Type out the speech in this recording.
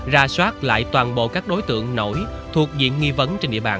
ra soát lại toàn bộ các đối tượng nổi thuộc diện nghi vấn trên địa bàn